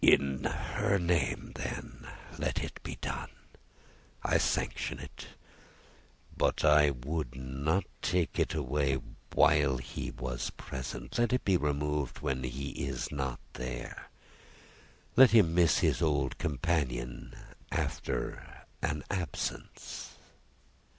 "In her name, then, let it be done; I sanction it. But, I would not take it away while he was present. Let it be removed when he is not there; let him miss his old companion after an absence."